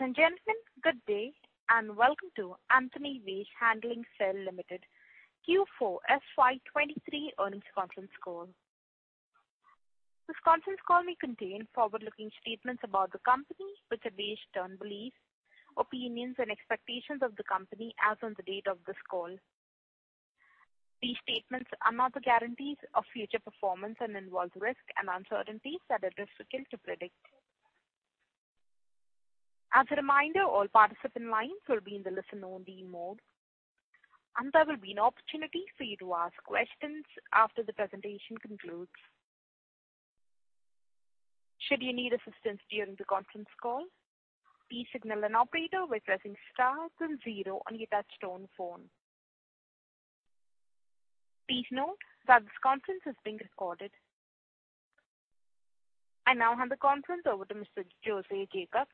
Ladies and gentlemen, good day, and welcome to Antony Waste Handling Cell Limited, Q4 FY 2023 earnings conference call. This conference call may contain forward-looking statements about the company, which are based on beliefs, opinions, and expectations of the company as on the date of this call. These statements are not guarantees of future performance and involve risks and uncertainties that are difficult to predict. As a reminder, all participant lines will be in the listen-only mode, and there will be an opportunity for you to ask questions after the presentation concludes. Should you need assistance during the conference call, please signal an operator by pressing star then zero on your touchtone phone. Please note that this conference is being recorded. I now hand the conference over to Mr. Jose Jacob,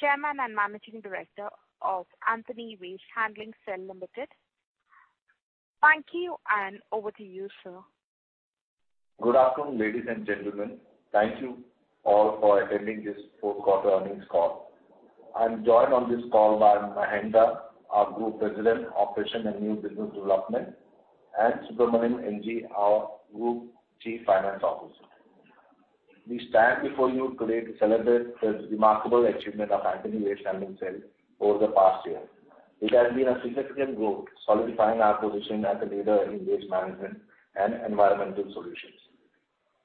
Chairman and Managing Director of Antony Waste Handling Cell Limited. Thank you, and over to you, sir. Good afternoon, ladies and gentlemen. Thank you all for attending this fourth quarter earnings call. I'm joined on this call by Mahendra, our Group President, Operations and New Business Development, and Subramanian NG, our Group Chief Finance Officer. We stand before you today to celebrate the remarkable achievement of Antony Waste Handling Cell over the past year. It has been a significant growth, solidifying our position as a leader in waste management and environmental solutions.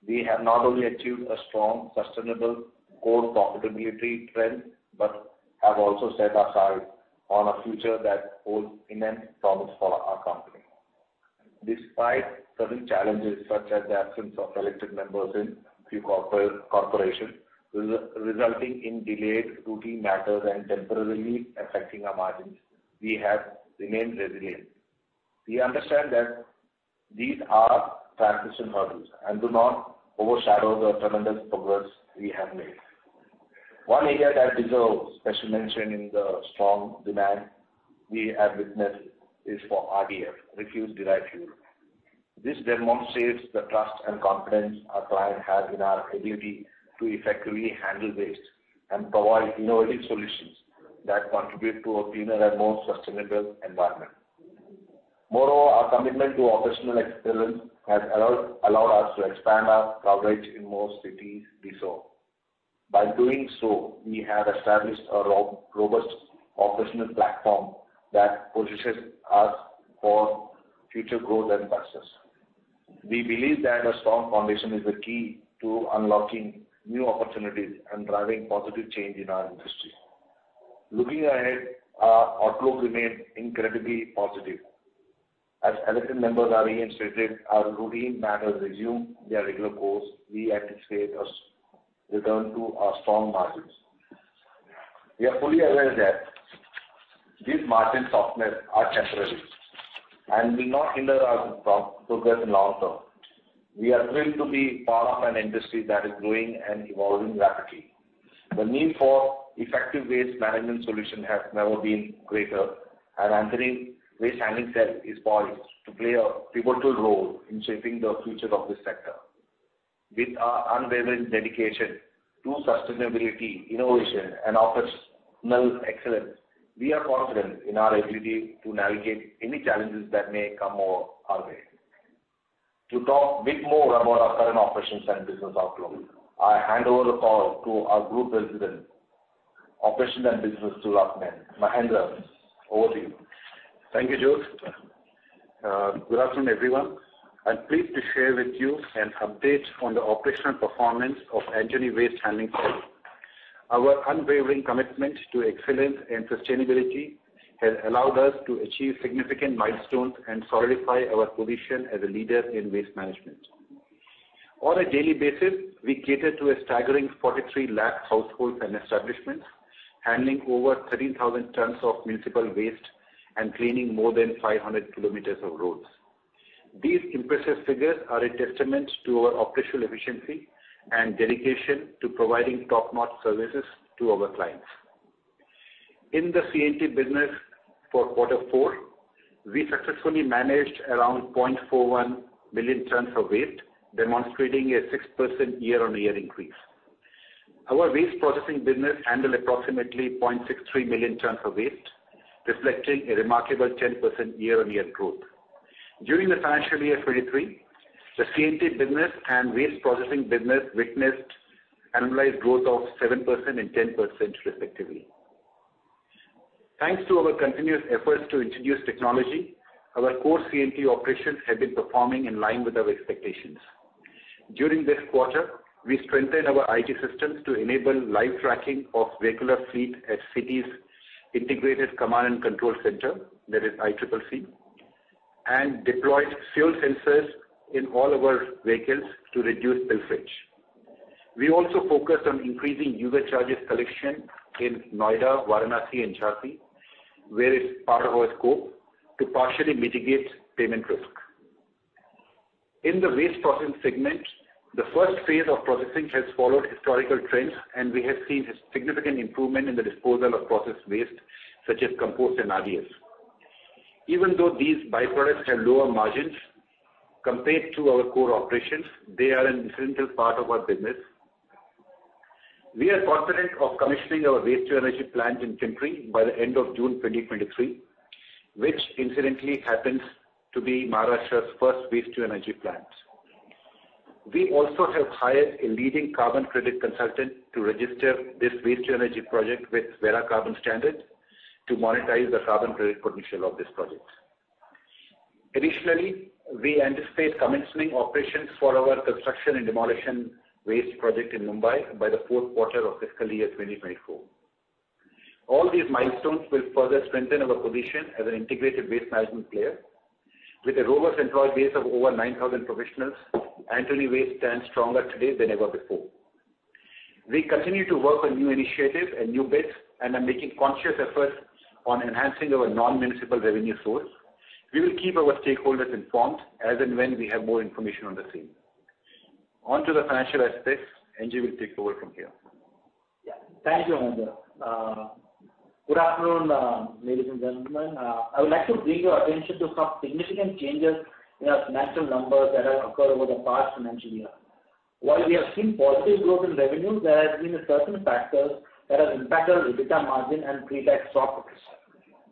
We have not only achieved a strong, sustainable core profitability trend, but have also set our sight on a future that holds immense promise for our company. Despite certain challenges, such as the absence of elected members in few corporations, resulting in delayed routine matters and temporarily affecting our margins, we have remained resilient. We understand that these are transition hurdles and do not overshadow the tremendous progress we have made. One area that deserves special mention in the strong demand we have witnessed is for RDF, Refuse Derived Fuel. This demonstrates the trust and confidence our client has in our ability to effectively handle waste, and provide innovative solutions that contribute to a cleaner and more sustainable environment. Our commitment to operational excellence has allowed us to expand our coverage in more cities this year. By doing so, we have established a robust operational platform that positions us for future growth and success. We believe that a strong foundation is the key to unlocking new opportunities and driving positive change in our industry. Looking ahead, our outlook remains incredibly positive. As elected members are reinstated, our routine matters resume their regular course, we anticipate a return to our strong margins. We are fully aware that these margin softness are temporary and will not hinder our progress in long term. We are thrilled to be part of an industry that is growing and evolving rapidly. The need for effective waste management solution has never been greater, and Antony Waste Handling Cell is poised to play a pivotal role in shaping the future of this sector. With our unwavering dedication to sustainability, innovation, and operational excellence, we are confident in our ability to navigate any challenges that may come our way. To talk bit more about our current operations and business outlook, I hand over the call to our Group President, Operations and Business Development, Mahendra, over to you. Thank you, Joe. Good afternoon, everyone. I'm pleased to share with you an update on the operational performance of Antony Waste Handling Cell. Our unwavering commitment to excellence and sustainability has allowed us to achieve significant milestones and solidify our position as a leader in waste management. On a daily basis, we cater to a staggering 43 lakh households and establishments, handling over 13,000 tons of municipal waste and cleaning more than 500 km of roads. These impressive figures are a testament to our operational efficiency and dedication to providing top-notch services to our clients. In the C&T business for quarter four, we successfully managed around 0.41 million tons of waste, demonstrating a 6% year-on-year increase. Our waste processing business handled approximately 0.63 million tons of waste, reflecting a remarkable 10% year-on-year growth. During the financial year 23, the C&T business and waste processing business witnessed annualized growth of 7% and 10%, respectively. Thanks to our continuous efforts to introduce technology, our core C&T operations have been performing in line with our expectations. During this quarter, we strengthened our IT systems to enable live tracking of regular fleet at cities' Integrated Command and Control Center, that is ICCC, and deployed fuel sensors in all our vehicles to reduce spillage. We also focused on increasing user charges collection in Noida, Varanasi, and Jhansi, where it's part of our scope, to partially mitigate payment risk. In the waste processing segment, the first phase of processing has followed historical trends, and we have seen significant improvement in the disposal of processed waste, such as compost and RDF. Even though these byproducts have lower margins compared to our core operations, they are an essential part of our business. We are confident of commissioning our waste-to-energy plant in Pimpri-Chinchwad by the end of June 2023, which incidentally happens to be Maharashtra's first waste-to-energy plant. We also have hired a leading carbon credit consultant to register this waste-to-energy project with Verified Carbon Standard, to monetize the carbon credit potential of this project. Additionally, we anticipate commencing operations for our construction and demolition waste project in Mumbai by the fourth quarter of fiscal year 2024. All these milestones will further strengthen our position as an integrated waste management player. With a robust employee base of over 9,000 professionals, Antony Waste stands stronger today than ever before. We continue to work on new initiatives and new bids, are making conscious efforts on enhancing our non-municipal revenue source. We will keep our stakeholders informed as and when we have more information on the same. On to the financial aspects, NG will take over from here. Yeah. Thank you, Mahendra. Good afternoon, ladies and gentlemen. I would like to bring your attention to some significant changes in our financial numbers that have occurred over the past financial year. While we have seen positive growth in revenue, there has been a certain factors that have impacted our EBITDA margin and pre-tax profits.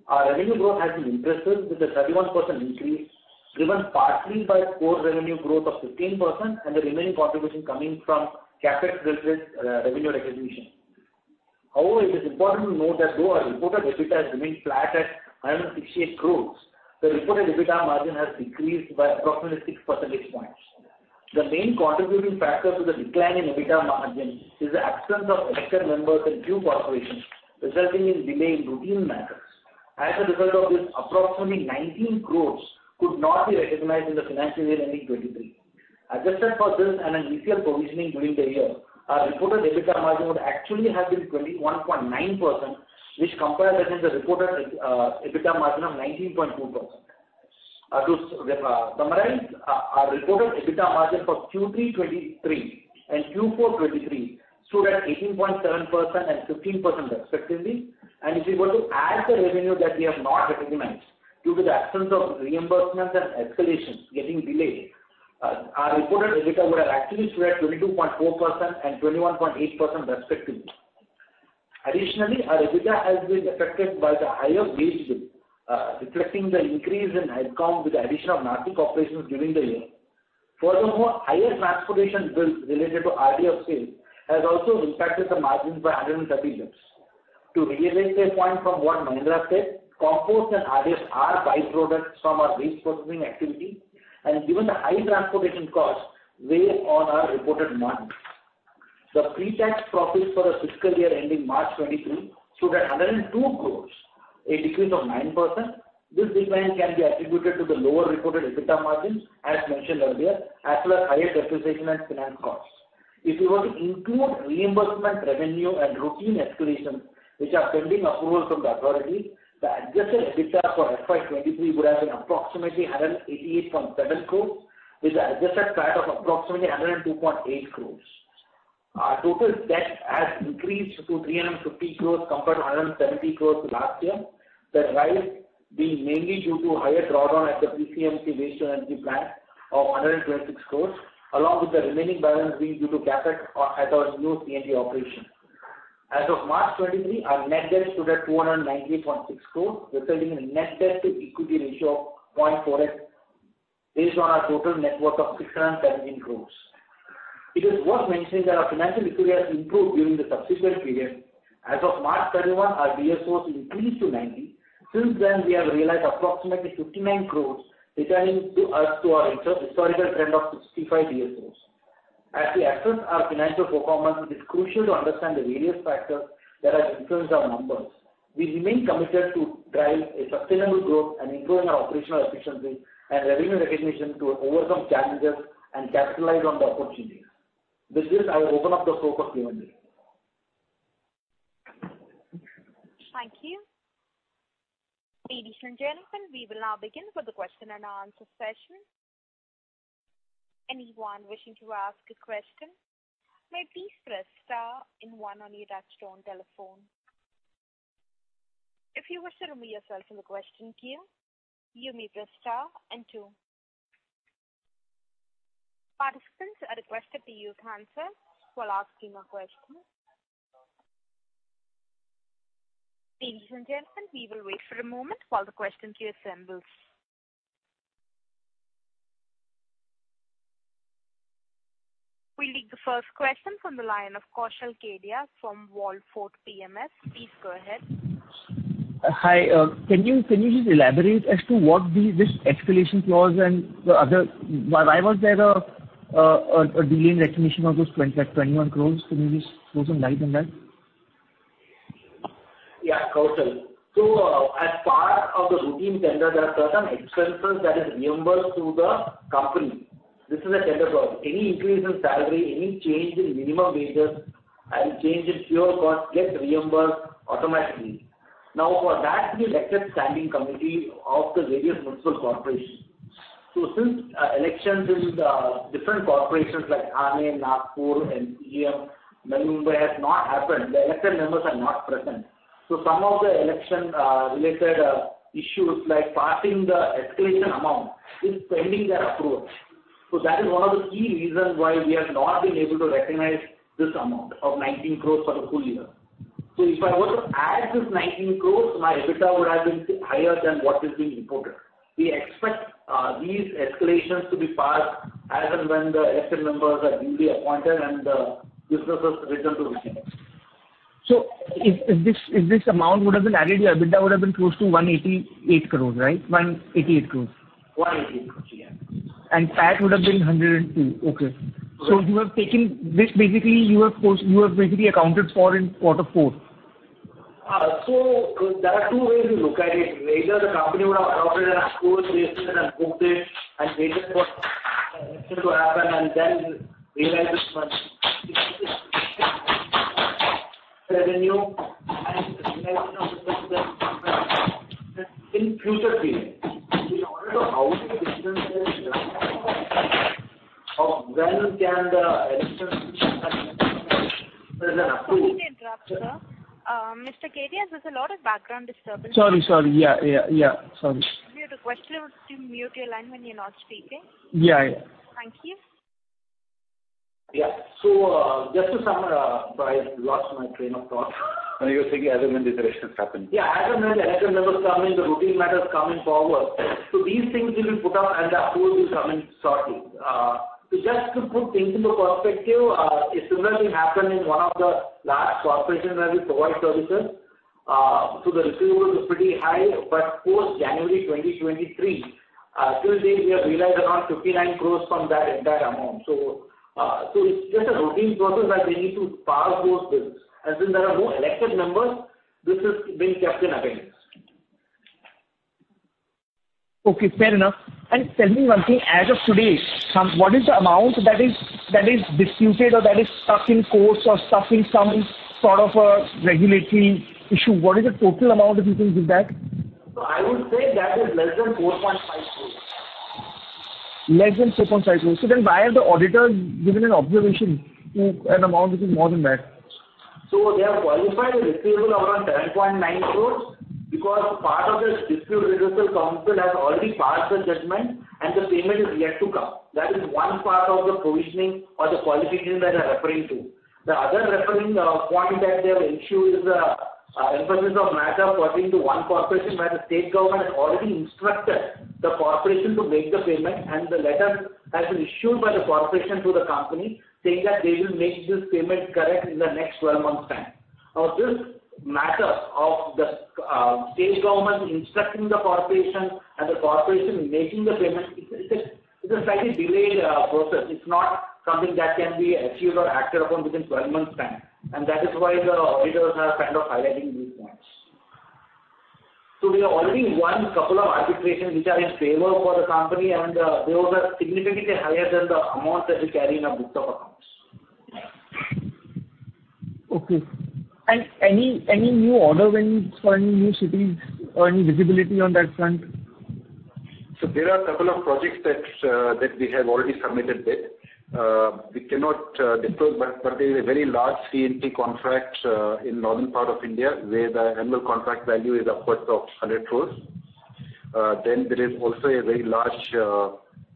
Our revenue growth has been impressive, with a 31% increase, driven partly by core revenue growth of 15% and the remaining contribution coming from CapEx-related revenue recognition. However, it is important to note that though our reported EBITDA has remained flat at 168 crores, the reported EBITDA margin has decreased by approximately six percentage points. The main contributing factor to the decline in EBITDA margin is the absence of elected members in few corporations, resulting in delay in routine matters. As a result of this, approximately 19 crore could not be recognized in the financial year 2023. Adjusted for this and an easier provisioning during the year, our reported EBITDA margin would actually have been 21.9%, which compares against the reported EBITDA margin of 19.2%. To summarize, our reported EBITDA margin for Q3 2023 and Q4 2023 stood at 18.7% and 15% respectively, and if you were to add the revenue that we have not recognized due to the absence of reimbursements and escalations getting delayed, our reported EBITDA would have actually stood at 22.4% and 21.8% respectively. Additionally, our EBITDA has been affected by the higher wage bill, reflecting the increase in headcount with the addition of Nashik operations during the year. Higher transportation bills related to RDF sales has also impacted the margins by 130 lakhs. To reiterate a point from what Mahendra said, compost and RDF are byproducts from our waste processing activity, and given the high transportation costs, weigh on our reported margins. The pre-tax profits for the fiscal year ending March 2023 stood at 102 crores, a decrease of 9%. This decline can be attributed to the lower reported EBITDA margins, as mentioned earlier, as well as higher depreciation and finance costs. If you were to include reimbursement revenue and routine escalations, which are pending approval from the authority, the adjusted EBITDA for FY 2023 would have been approximately 188.7 crores, with an adjusted CAD of approximately 102.8 crores. Our total debt has increased to 350 crore compared to 170 crore last year. The rise being mainly due to higher drawdown at the PCMC waste-to-energy plant of 126 crore, along with the remaining balance being due to CapEx at our new C&T operation. As of March 2023, our net debt stood at 298.6 crore, resulting in a net debt to equity ratio of 0.48, based on our total net worth of 617 crore. It is worth mentioning that our financial liquidity has improved during the subsequent period. As of March 31, our DSOs increased to 90. Since then, we have realized approximately 59 crore, returning to us to our historical trend of 65 DSOs. As we assess our financial performance, it is crucial to understand the various factors that have influenced our numbers. We remain committed to drive a sustainable growth and improving our operational efficiency and revenue recognition to overcome challenges and capitalize on the opportunities. With this, I will open up the floor for Q&A. Thank you. Ladies and gentlemen, we will now begin with the question-and-answer session. Anyone wishing to ask a question may please press star and one on your touchtone telephone. If you wish to remove yourself from the question queue, you may press star and two. Participants are requested to mute answers while asking a question. Ladies and gentlemen, we will wait for a moment while the question queue assembles. We'll take the first question from the line of Kaushal Kedia from Wallfort PMS. Please go ahead. Hi, can you just elaborate as to what this escalation clause and the other. Why was there a delayed recognition of those 21 crore? Can you just throw some light on that? Yeah, Kaushal. As part of the routine tender, there are certain expenses that is reimbursed to the company. This is a tender clause. Any increase in salary, any change in minimum wages, and change in fuel costs gets reimbursed automatically. For that, we elected standing committee of the various municipal corporations. Since elections in the different corporations like Thane, Nagpur, MCGM, Mumbai has not happened, the elected members are not present. Some of the election related issues like passing the escalation amount is pending their approval. That is one of the key reasons why we have not been able to recognize this amount of 19 crores for the full year. If I were to add this 19 crores, my EBITDA would have been higher than what is being reported. We expect these escalations to be passed as and when the elected members are being appointed and the businesses return to business. If this amount would have been added, your EBITDA would have been close to 188 crores, right? 188 crores. 188 crores, yeah. PAT would have been 102. Okay. You have taken this, basically, you have basically accounted for in quarter four? There are two ways to look at it. Either the company would have adopted an approach, they would have booked it, and waited for to happen, and then realize this month. Revenue and in future periods. In order to how the business of when can the election. May I interrupt, sir? Mr. Kedia, there's a lot of background disturbance. Sorry. Yeah, sorry. Maybe the questioner would you mute your line when you're not speaking? Yeah, yeah. Thank you. Yeah. Just to summarize, but I lost my train of thought. No, you were saying as and when these elections happen. As and when the election numbers come in, the routine matters come in forward. These things will be put up, and the approach will come in shortly. Just to put things into perspective, a similar thing happened in one of the large corporations where we provide services. The receivable is pretty high, but post January 2023, till date, we have realized around 59 crores from that entire amount. It's just a routine process, that they need to pass those bills. And since there are no elected members, this is being kept in abeyance. Okay, fair enough. Tell me one thing, as of today, what is the amount that is disputed or that is stuck in courts or stuck in some sort of a regulatory issue? What is the total amount, if you can give that? I would say that is less than 4.5 crores. Less than 4.5 crore. Why has the auditor given an observation to an amount, which is more than that? They have qualified the receivable around 10.9 crores, because part of this dispute resolution council has already passed the judgment, and the payment is yet to come. That is one part of the provisioning or the qualification that I'm referring to. The other referring point that they have issued is the emphasis of matter pertaining to one corporation, where the state government has already instructed the corporation to make the payment, and the letter has been issued by the corporation to the company, saying that they will make this payment correct in the next 12 months time. This matter of the state government instructing the corporation and the corporation making the payment, it's a slightly delayed process. It's not something that can be achieved or acted upon within 12 months time. That is why the auditors are kind of highlighting these points. There are already one couple of arbitrations, which are in favor for the company, and those are significantly higher than the amount that we carry in our book of accounts. Okay. Any new order wins for any new cities or any visibility on that front? There are a couple of projects that we have already submitted bid. We cannot disclose, but there is a very large C&T contract in northern part of India, where the annual contract value is upwards of 100 crores. Then there is also a very large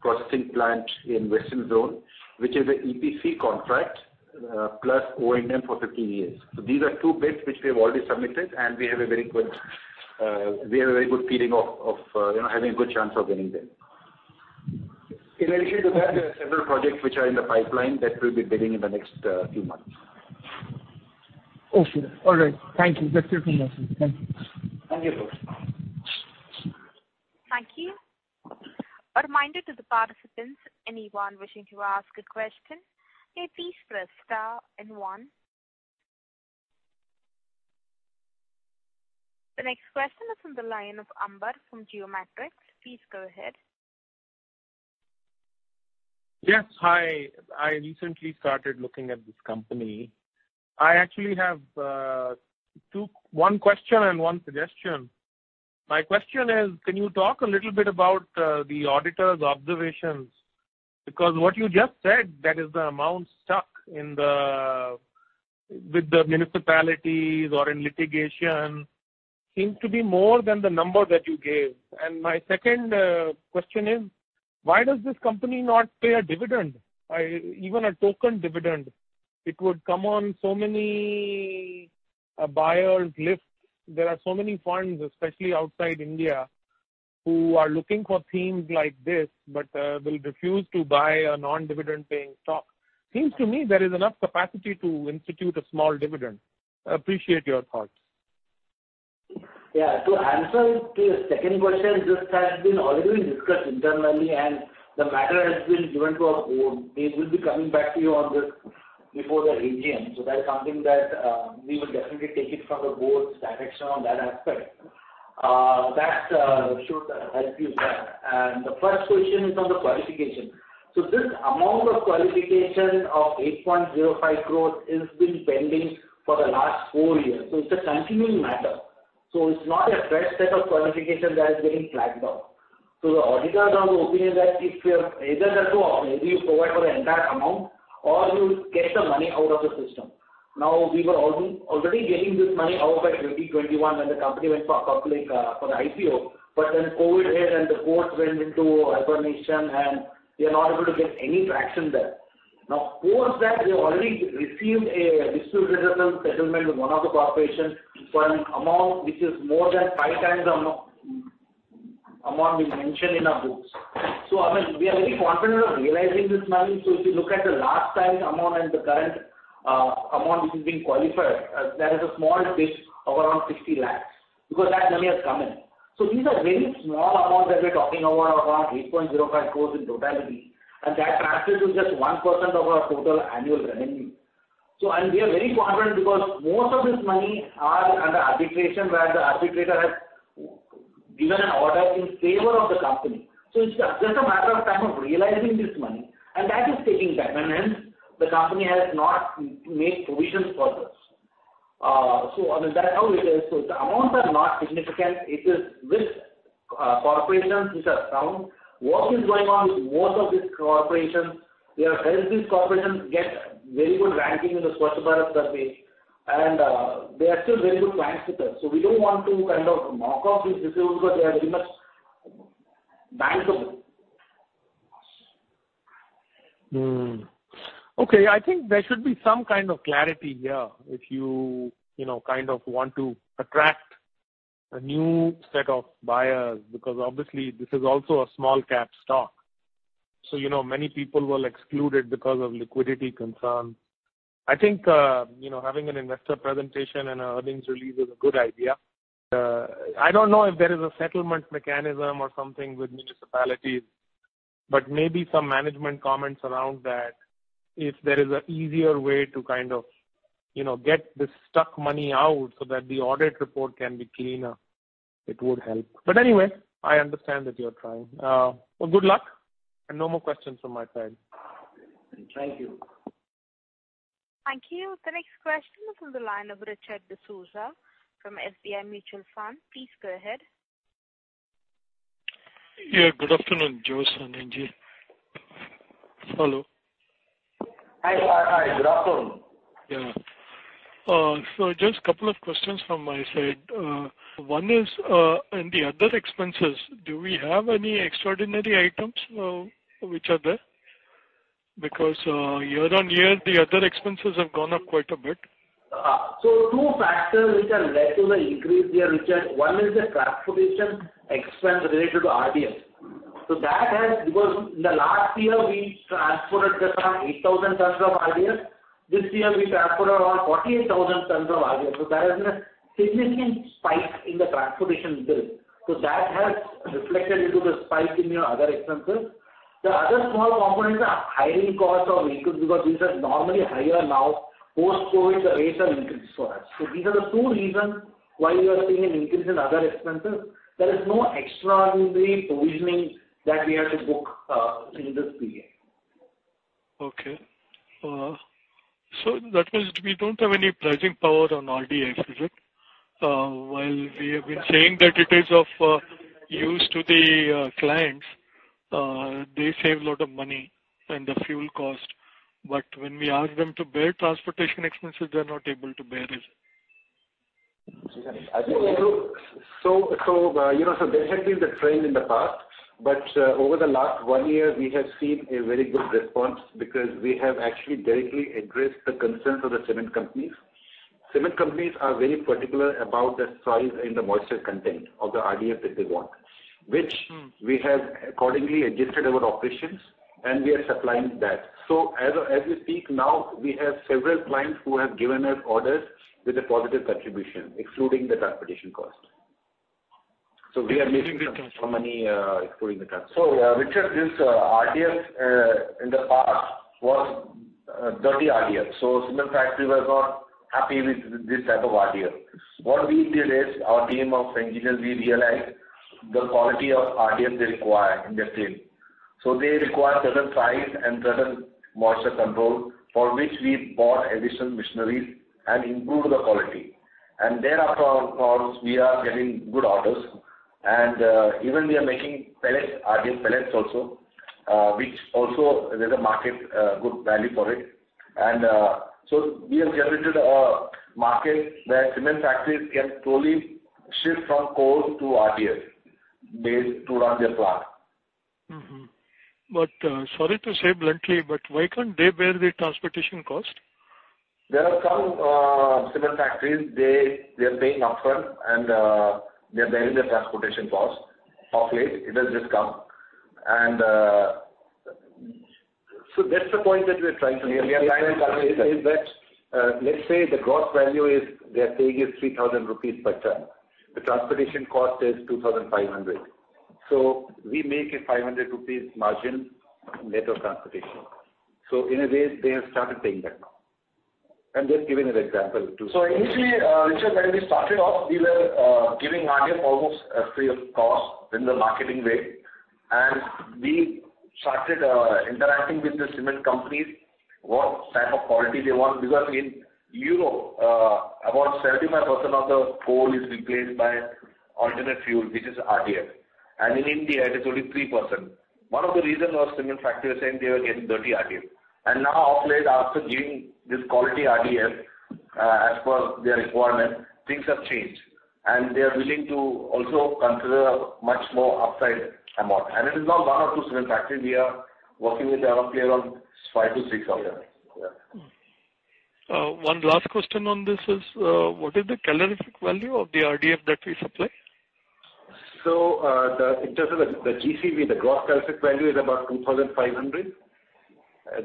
processing plant in Western Zone, which is an EPC contract plus O&M for 15 years. These are two bids, which we have already submitted, and we have a very good feeling of, you know, having a good chance of winning them. In addition to that, there are several projects which are in the pipeline that will be bidding in the next few months. Okay. All right. Thank you. Best wishes to you. Thank you. Thank you. Thank you. A reminder to the participants, anyone wishing to ask a question, may please press star and one. The next question is on the line of Ambar from Geomatrix. Please go ahead. Yes, hi. I recently started looking at this company. I actually have one question and one suggestion. My question is, can you talk a little bit about the auditor's observations? What you just said, that is the amount stuck in the with the municipalities or in litigation, seems to be more than the number that you gave. My second question is: Why does this company not pay a dividend, even a token dividend? It would come on so many buyers list. There are so many funds, especially outside India, who are looking for themes like this, but will refuse to buy a non-dividend paying stock. Seems to me there is enough capacity to institute a small dividend. I appreciate your thoughts. Yeah. To answer to your second question, this has been already discussed internally, and the matter has been given to our board. We will be coming back to you on this before the AGM. That is something that we will definitely take it from the board's direction on that aspect. That should help you with that. The first question is on the qualification. This amount of qualification of 8.05 crores has been pending for the last four years, so it's a continuing matter. It's not a fresh set of qualifications that is getting flagged up. The auditors are of the opinion that if you have, either there are two options, either you provide for the entire amount or you get the money out of the system. We were already getting this money out by 2021 when the company went for public for the IPO, but then COVID hit, and the courts went into hibernation, and we are not able to get any traction there. Post that, they already received a dispute resolution settlement with one of the corporations for an amount which is more than five times the amount we mentioned in our books. I mean, we are very confident of realizing this money. If you look at the last time amount and the current amount, which is being qualified, there is a small dip of around 60 lakhs, because that money has come in. These are very small amounts that we're talking about, around 8.05 crores in totality, and that translates to just 1% of our total annual revenue. We are very confident because most of this money are under arbitration, where the arbitrator has given an order in favor of the company. It's just a matter of time of realizing this money, and that is taking time, and hence, the company has not made provisions for this. I mean, that's how it is. The amounts are not significant. It is with corporations which are sound. Work is going on with most of these corporations. We have helped these corporations get very good ranking in the Swachh Bharat Survey, and they are still very good clients with us. We don't want to kind of mark off these issues, because they are very much bankable. Okay, I think there should be some kind of clarity here if you know, kind of want to attract a new set of buyers, because obviously, this is also a small-cap stock. You know, many people were excluded because of liquidity concerns. I think, you know, having an investor presentation and an earnings release is a good idea. I don't know if there is a settlement mechanism or something with municipalities, but maybe some management comments around that, if there is an easier way to kind of, you know, get this stuck money out so that the audit report can be cleaner, it would help. Anyway, I understand that you're trying. Well, good luck, and no more questions from my side. Thank you. Thank you. The next question is from the line of Richard D'Souza from SBI Mutual Fund. Please go ahead. Yeah, good afternoon, Joe, Subramanian NG. Hello. Hi, hi, good afternoon. Yeah. Just a couple of questions from my side. One is, in the other expenses, do we have any extraordinary items which are there? Year on year, the other expenses have gone up quite a bit. Two factors which have led to the increase here, Richard. One is the transportation expense related to RDF. That has, because in the last year, we transported just around 8,000 tons of RDF. This year, we transported around 48,000 tons of RDF, there has been a significant spike in the transportation bill. That has reflected into the spike in your other expenses. The other small components are hiring costs of vehicles, because these are normally higher now. Post-COVID, the rates have increased for us. These are the two reasons why you are seeing an increase in other expenses. There is no extraordinary provisioning that we have to book in this PA. Okay. That means we don't have any pricing power on RDF, is it? While we have been saying that it is of, use to the, clients, they save a lot of money and the fuel cost, but when we ask them to bear transportation expenses, they're not able to bear it. You know, so there had been the trend in the past, but, over the last one year, we have seen a very good response because we have actually directly addressed the concerns of the cement companies. Cement companies are very particular about the soil and the moisture content of the RDF that they want. Mm. We have accordingly adjusted our operations, and we are supplying that. As we speak now, we have several clients who have given us orders with a positive contribution, excluding the transportation cost. We are making some money, excluding the transportation. Richard, this RDF in the past was dirty RDF, so cement factories were not happy with this type of RDF. What we did is, our team of engineers, we realized the quality of RDF they require in their team. They require certain size and certain moisture control, for which we bought additional machineries and improved the quality. Thereafter, of course, we are getting good orders, and even we are making pellets, RDF pellets also, which also there's a market, good value for it. We have generated a market where cement factories can totally shift from coal to RDF based to run their plant. Mm-hmm. Sorry to say bluntly, but why can't they bear the transportation cost? There are some cement factories, they are paying upfront, and they are bearing their transportation cost. Of late, it has just come. That's the point that we're trying to make, is that, let's say the gross value is, they are paying is 3,000 rupees per ton. The transportation cost is 2,500. We make a 500 rupees margin net of transportation. In a way, they have started paying that now. I'm just giving an example. Initially, Richard, when we started off, we were giving RDF almost free of cost in the marketing way, and we started interacting with the cement companies.... what type of quality they want, because in, you know, about 75% of the coal is replaced by alternate fuel, which is RDF. In India, it is only 3%. One of the reasons was cement factories were saying they were getting dirty RDF. Now of late, after giving this quality RDF, as per their requirement, things have changed, and they are willing to also consider much more upside amount. It is not one or two cement factories. We are working with around clear on five to six of them. Yeah. One last question on this is, what is the calorific value of the RDF that we supply? In terms of the GCV, the gross calorific value is about 2,500.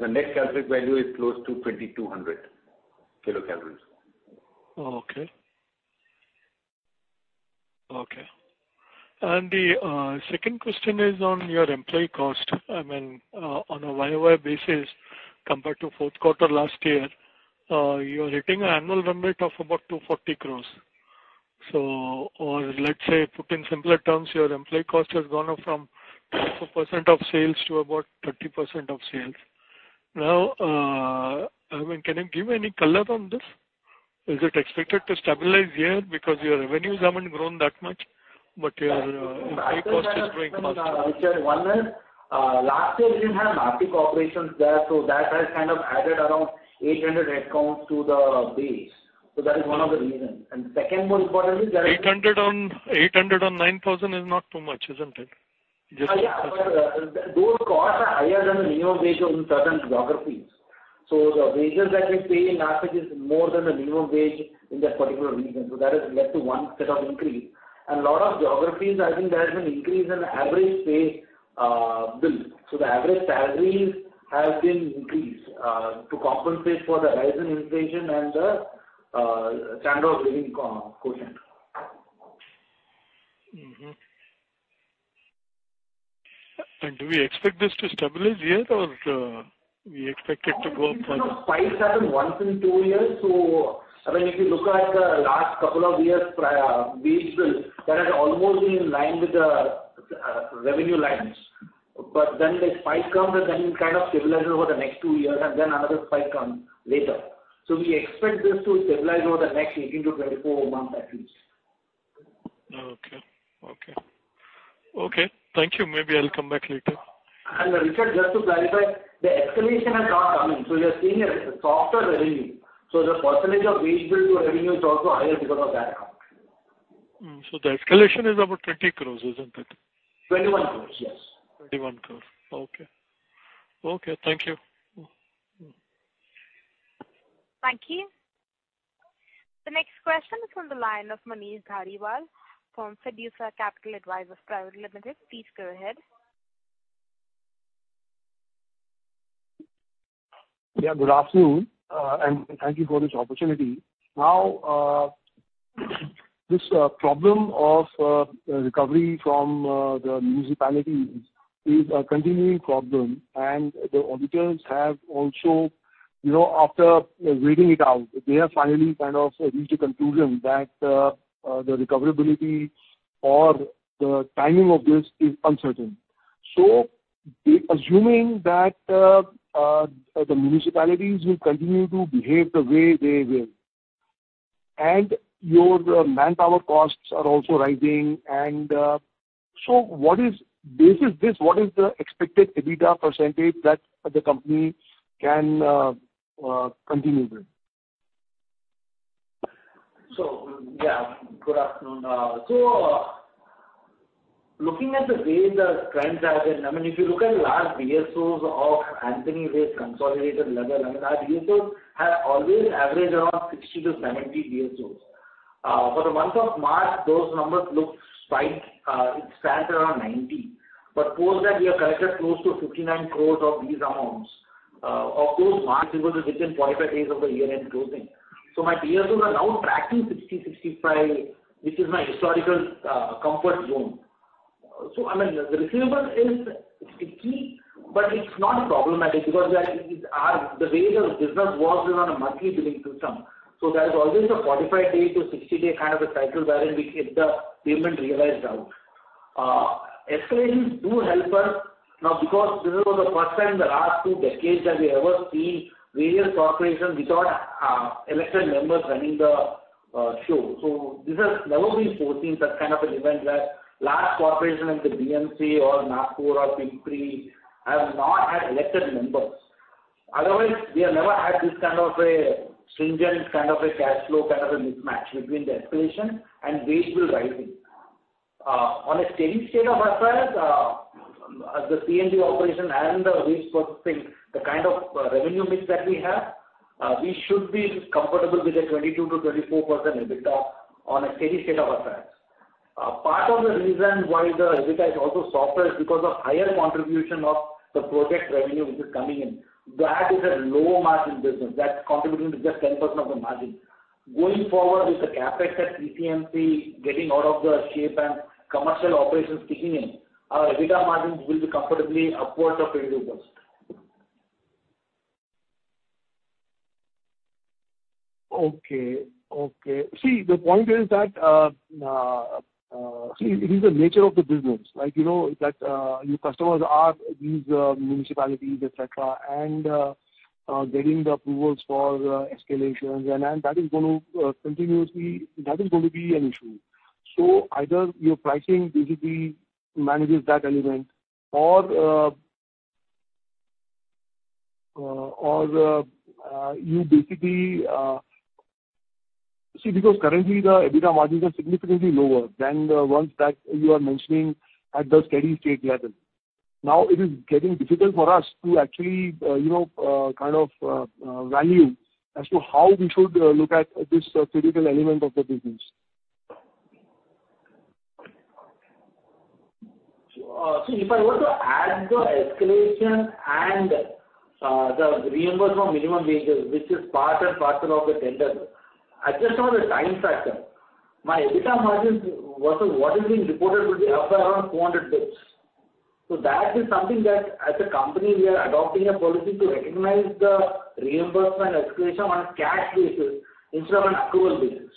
The net calorific value is close to 2,200 kilocalories. Okay. Okay. second question is on your employee cost. I mean, on a YOY basis, compared to fourth quarter last year, you're hitting an annual run rate of about 240 crores. or let's say, put in simpler terms, your employee cost has gone up from 24% of sales to about 30% of sales. I mean, can you give any color on this? Is it expected to stabilize here? your revenues haven't grown that much, but your employee cost is growing faster. Richard, one is, last year, we didn't have Nashik operations there, so that has kind of added around 800 headcounts to the base. That is one of the reasons. Second most important is that- 800 on 9,000 is not too much, isn't it? Those costs are higher than the minimum wage on certain geographies. The wages that we pay in Nashik is more than the minimum wage in that particular region. That has led to one set of increase. A lot of geographies, I think there has been increase in average pay bill. The average salaries have been increased to compensate for the rise in inflation and the standard of living coefficient. Do we expect this to stabilize here or we expect it to go up? Spikes happen once in two years. I mean, if you look at the last couple of years, wage bill, that has almost been in line with the revenue lines. The spike comes, and then it kind of stabilizes over the next two years, and then another spike comes later. We expect this to stabilize over the next 18-24 months, at least. Okay. Okay. Okay, thank you. Maybe I'll come back later. Richard, just to clarify, the escalation has not come in, so you're seeing a softer revenue. The percentage of wage bill to revenue is also higher because of that. The escalation is about 20 crores, isn't it? 21 crores, yes. 21 crores. Okay. Okay, thank you. Thank you. The next question is from the line of Manish Dhariwal from Fiducia Capital Advisors Private Limited. Please go ahead. Good afternoon, thank you for this opportunity. This problem of recovery from the municipalities is a continuing problem. The auditors have also, you know, after waiting it out, they have finally kind of reached a conclusion that the recoverability or the timing of this is uncertain. Assuming that the municipalities will continue to behave the way they will, and your manpower costs are also rising, and, so what is basis this, what is the expected EBITDA percentage that the company can continue with? Yeah, good afternoon. Looking at the way the trends have been, I mean, if you look at last DSOs of Antony Waste's consolidated level, I mean, our DSOs have always averaged around 60 to 70 DSOs. For the month of March, those numbers look spike, it stands around 90. Post that, we have collected close to 59 crore of these amounts. Of course, March it was within 45 days of the year-end closing. My DSOs are now tracking 60, 65, which is my historical, comfort zone. I mean, the receivable is sticky, but it's not problematic because I the way the business works is on a monthly billing system. There is always a 45-day to 60-day kind of a cycle wherein we get the payment realized out. Escalations do help us now because this was the first time in the last two decades that we ever seen various corporations without elected members running the show. This has never been foreseen, such kind of an event, where large corporations like the BMC or Nashik or PCMC have not had elected members. Otherwise, we have never had this kind of a stringent, kind of a cash flow, kind of a mismatch between the escalation and wage bill rising. On a steady state of affairs, as the C&D operation and the waste processing, the kind of revenue mix that we have, we should be comfortable with a 22%-24% EBITDA on a steady state of affairs. Part of the reason why the EBITDA is also softer is because of higher contribution of the project revenue, which is coming in. That is a low-margin business. That's contributing to just 10% of the margin. Going forward with the CapEx at PCMC, getting out of the shape and commercial operations kicking in, our EBITDA margins will be comfortably upwards of 20%. Okay, okay. See, the point is that, see, it is the nature of the business. Like, you know, that, your customers are these, municipalities, et cetera, and, getting the approvals for, escalations, and then that is going to, continuously, that is going to be an issue. Either your pricing basically manages that element or, you basically. See, because currently, the EBITDA margins are significantly lower than the ones that you are mentioning at the steady state level. Now it is getting difficult for us to actually, you know, kind of, value as to how we should, look at this critical element of the business. See, if I were to add the escalation and the reimbursement minimum wages, which is part and parcel of the tender, adjust on the time factor, my EBITDA margins versus what is being reported would be up by around 400 basis points. That is something that as a company, we are adopting a policy to recognize the reimbursement and escalation on a cash basis instead of an accrual basis.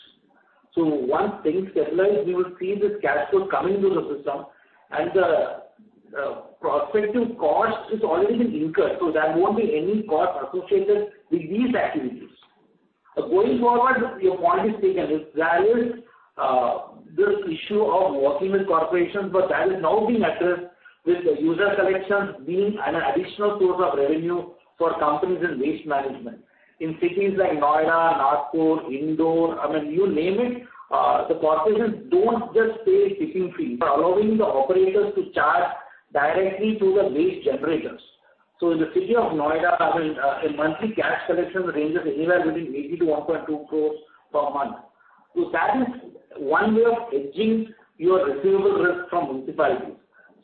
Once things stabilize, we will see this cash flow coming into the system, and the prospective cost is already been incurred, so there won't be any cost associated with these activities. Going forward, your point is taken. There is this issue of working with corporations, but that is now being addressed with user collections being an additional source of revenue for companies in waste management. In cities like Noida, Nagpur, Indore, I mean, you name it, the corporations don't just pay tipping fee, but allowing the operators to charge directly to the waste generators. In the city of Noida, I mean, a monthly cash collection ranges anywhere between 80-1.2 crores per month. That is one way of hedging your receivable risk from municipalities.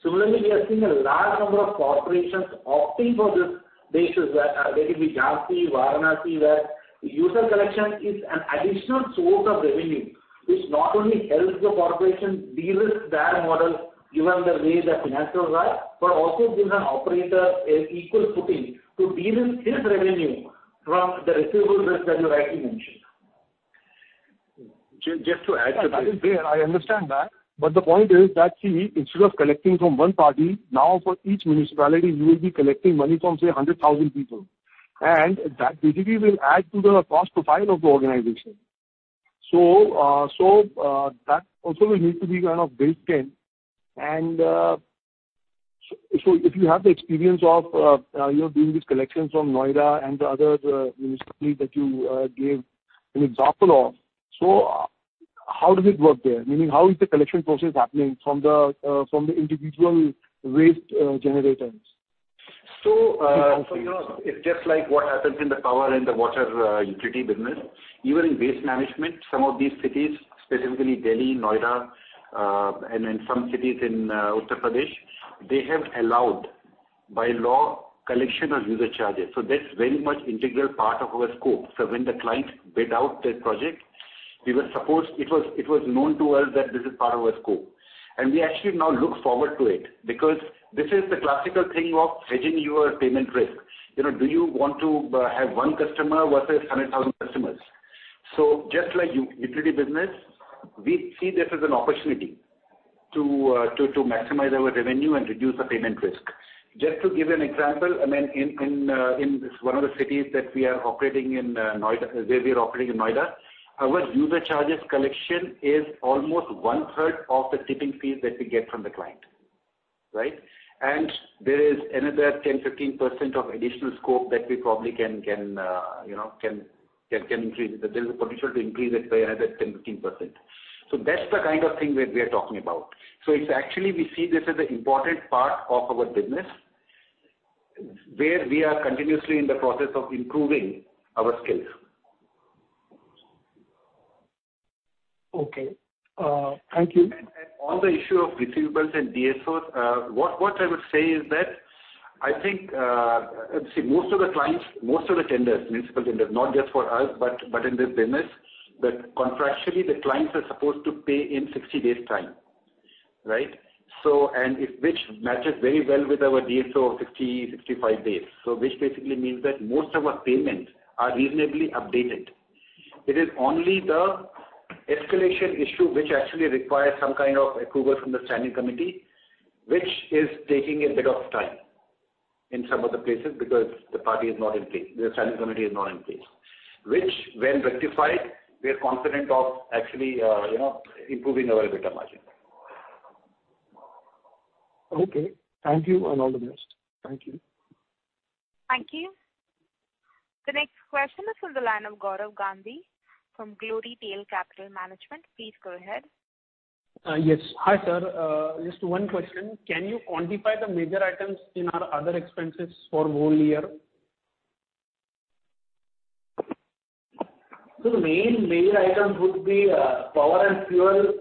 Similarly, we are seeing a large number of corporations opting for this basis, there could be Jhansi, Varanasi, where user collection is an additional source of revenue, which not only helps the corporation de-risk their model given the way the financials are, but also gives an operator an equal footing to de-risk his revenue from the receivable risk that you rightly mentioned. Just to add to that. That is there, I understand that. The point is that, see, instead of collecting from one party, now for each municipality, you will be collecting money from, say, 100,000 people, and that basically will add to the cost profile of the organization. That also will need to be kind of baked in. So if you have the experience of, you're doing these collections from Noida and the other municipality that you gave an example of, so how does it work there? Meaning, how is the collection process happening from the individual waste generators? It's just like what happens in the power and the water utility business. Even in waste management, some of these cities, specifically Delhi, Noida, and then some cities in Uttar Pradesh, they have allowed, by law, collection of user charges. That's very much integral part of our scope. When the client bid out the project, it was known to us that this is part of our scope. We actually now look forward to it because this is the classical thing of hedging your payment risk. You know, do you want to have one customer versus 100,000 customers? Just like utility business, we see this as an opportunity to maximize our revenue and reduce the payment risk. Just to give you an example, I mean, in, in one of the cities that we are operating in, Noida, where we are operating in Noida, our user charges collection is almost one-third of the tipping fees that we get from the client, right? There is another 10-15% of additional scope that we probably can increase. There's a potential to increase it by another 10-15%. That's the kind of thing that we are talking about. It's actually, we see this as an important part of our business, where we are continuously in the process of improving our skills. Okay, thank you. On the issue of receivables and DSOs, what I would say is that, I think, let's see, most of the clients, most of the tenders, municipal tenders, not just for us, but in this business, that contractually, the clients are supposed to pay in 60 days time, right? Which matches very well with our DSO of 50-65 days. Which basically means that most of our payments are reasonably updated. It is only the escalation issue, which actually requires some kind of approval from the standing committee, which is taking a bit of time in some of the places because the party is not in place, the standing committee is not in place. When rectified, we are confident of actually, you know, improving our EBITDA margin. Okay, thank you, and all the best. Thank you. Thank you. The next question is from the line of Gaurav Gandhi from White Oak Capital Management. Please go ahead. Yes. Hi, sir. Just one question. Can you quantify the major items in our other expenses for whole year? The main, major items would be power and fuel,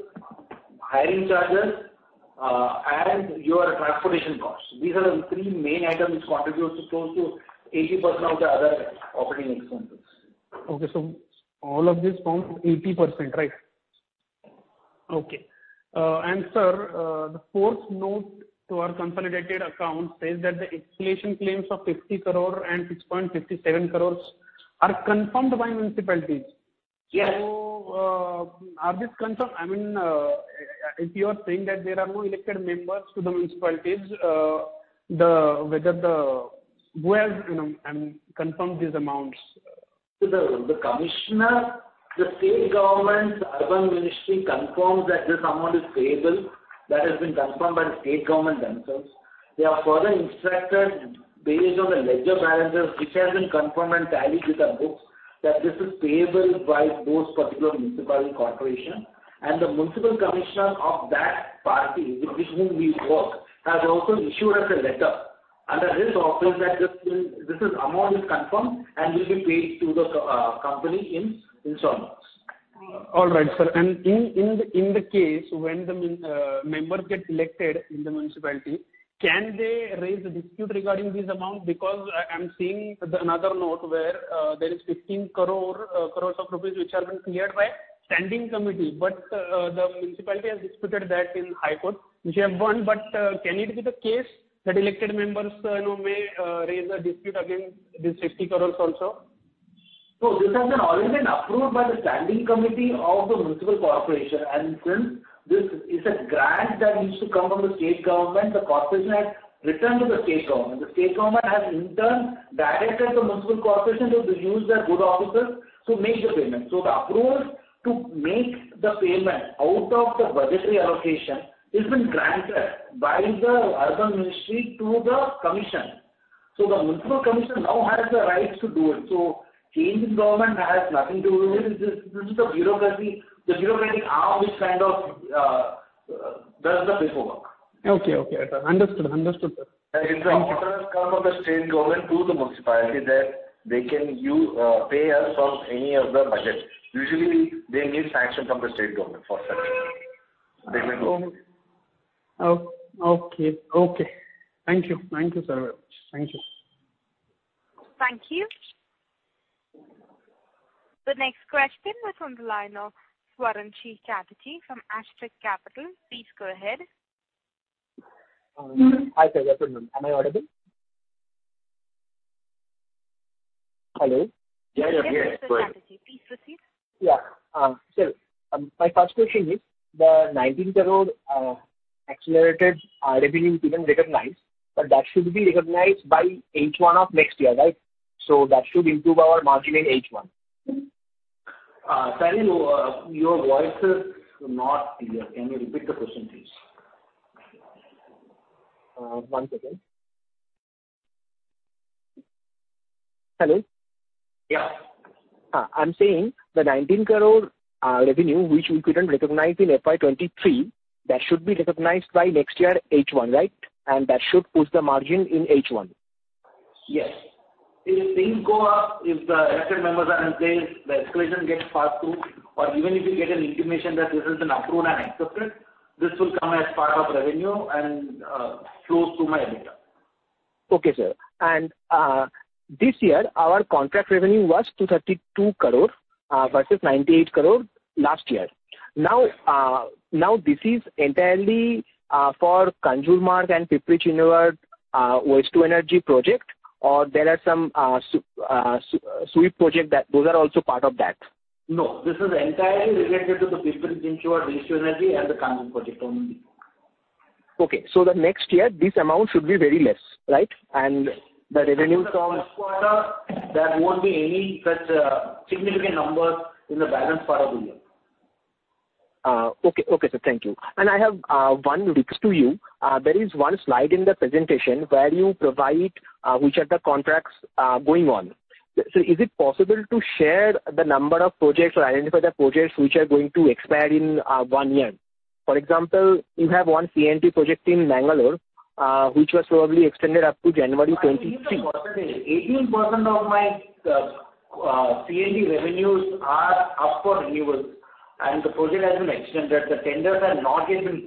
hiring charges, and your transportation costs. These are the three main items which contributes to close to 80% of the other operating expenses. Okay, all of this comes to 80%, right? Okay. Sir, the fourth note to our consolidated account says that the escalation claims of 50 crore and 6.57 crore are confirmed by municipalities. Yes. are this I mean, if you are saying that there are no elected members to the municipalities, whether the, who has, you know, confirmed these amounts? The commissioner, the state government's urban ministry confirms that this amount is payable. That has been confirmed by the state government themselves. They have further instructed, based on the ledger balances, which has been confirmed and tallied with our books, that this is payable by those particular municipal corporation. The municipal commissioner of that party, with whom we work, has also issued us a letter under his office, that this amount is confirmed and will be paid to the company in installments. All right, sir. In the case, when the members get elected in the municipality, can they raise a dispute regarding this amount? I'm seeing another note where there is 15 crore rupees, which have been cleared by standing committee, but the municipality has disputed that in High Court, which have won. Can it be the case that elected members, you know, may raise a dispute against this 50 crore also? No, this has been already been approved by the standing committee of the municipal corporation. Since this is a grant that needs to come from the state government, the corporation has written to the state government. The state government has, in turn, directed the municipal corporation to use their good officers to make the payment. The approval to make the payment out of the budgetary allocation has been granted by the Urban Ministry to the Commission. The Municipal Commission now has the rights to do it. Change in government has nothing to do with it. This is the bureaucracy, the bureaucratic arm, which kind of does the paperwork. Okay, okay. Understood. Understood, sir. If the orders come from the state government to the municipality, then they can use, pay us from any of the budgets. Usually, they need sanction from the state government for that. Oh, okay. Okay. Thank you. Thank you, sir. Thank you. Thank you. The next question is on the line of [Swaranjit] Chatterjee from Girik Capital. Please go ahead. Hi, sir. Good morning. Am I audible? Hello? Yeah, you are. Yes, please proceed. Yeah. sir, my first question is, the INR 19 crore accelerated revenue is even recognized. That should be recognized by H1 of next year, right? That should improve our margin in H1. Sorry, your voice is not clear. Can you repeat the question, please? one second. Hello? Yeah. I'm saying the 19 crore revenue, which we couldn't recognize in FY 2023, that should be recognized by next year, H1, right? That should push the margin in H1. Yes. If things go up, if the elected members are in place, the escalation gets passed through, or even if you get an intimation that this is an approved and accepted, this will come as part of revenue and, flow through my data. Okay, sir. This year, our contract revenue was 232 crore versus 98 crore last year. Now, this is entirely for Kanjurmarg and Pimpri Chinchwad waste to energy project, or there are some sweep project that, those are also part of that? No, this is entirely related to the Pimpri-Chinchwad waste to energy and the Kanjur project only. Okay. The next year, this amount should be very less, right? In the first quarter, there won't be any such significant number in the balance part of the year. Okay. Okay, sir, thank you. I have one request to you. There is one slide in the presentation where you provide which are the contracts going on. Is it possible to share the number of projects or identify the projects which are going to expire in one year? For example, you have one P&D project in Bangalore, which was probably extended up to January 2023. 18% of my P&D revenues are up for renewal, and the project has been extended, that the tenders have not yet been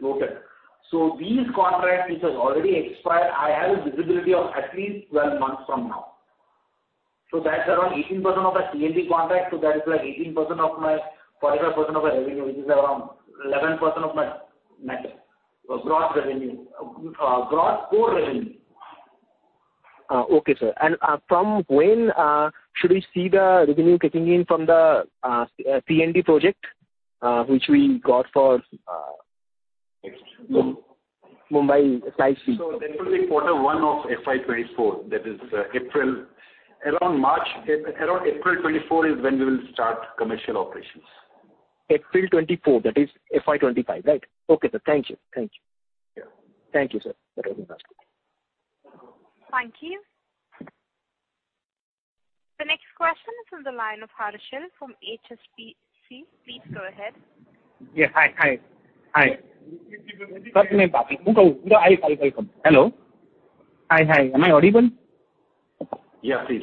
floated. These contracts, which has already expired, I have a visibility of at least 12 months from now. That's around 18% of our P&D contracts, that is like 18% of my 45% of my revenue, which is around 11% of my net gross revenue, gross core revenue. Okay, sir. From when should we see the revenue kicking in from the P&D project, which we got for Mumbai site? That will be quarter one of FY 2024, that is, around April 2024 is when we will start commercial operations. April 24, that is FY 2025, right? Okay, sir. Thank you. Thank you. Yeah. Thank you, sir. That was my question. Thank you. The next question is on the line of Harshil from HSBC. Please go ahead. Yeah, hi. Hi. Hello. Hi, hi. Am I audible? Yeah, please.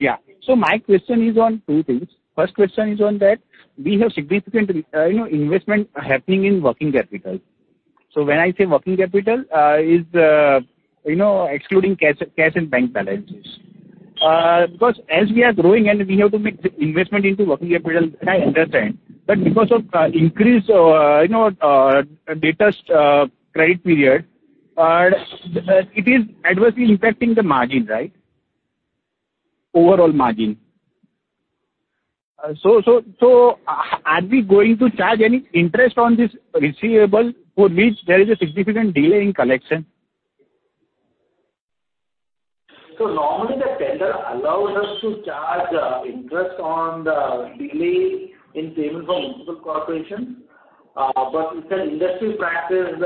Yeah. My question is on two things. First question is on that we have significant, you know, investment happening in working capital. When I say working capital, is, you know, excluding cash and bank balances.... because as we are growing and we have to make investment into working capital, I understand. Because of increase, you know, data, credit period, it is adversely impacting the margin, right? Overall margin. Are we going to charge any interest on this receivable for which there is a significant delay in collection? Normally, the tender allows us to charge interest on the delay in payment from municipal corporation, but it's an industry practice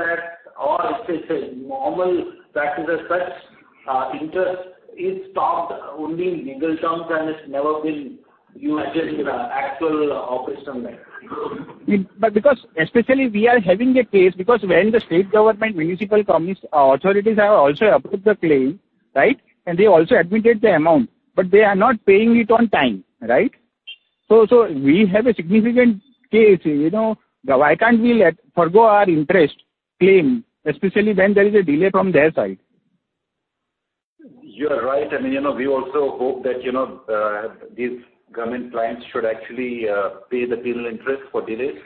or it's a normal practice as such, interest is stopped only in legal terms, and it's never been used in the actual operational manner. Because especially we are having a case, because when the state government municipal communist authorities have also approved the claim, right, and they also admitted the amount, but they are not paying it on time, right? We have a significant case, you know, why can't we let forgo our interest claim, especially when there is a delay from their side? You are right. I mean, you know, we also hope that, you know, these government clients should actually pay the penal interest for delays.